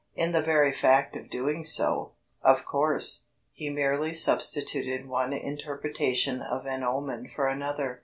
In the very fact of doing so, of course, he merely substituted one interpretation of an omen for another.